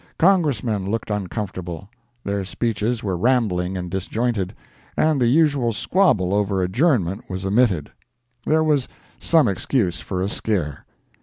Congressmen looked uncomfortable; their speeches were rambling and disjointed, and the usual squabble over adjournment was omitted. There was some excuse for a scare.